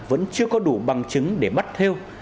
vẫn chưa có đủ bằng chứng để bắt thêu